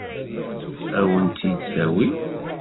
Ad wen-tt-id-tawi?